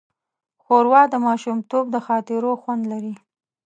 ښوروا د ماشومتوب د خاطرو خوند لري.